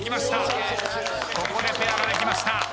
できました。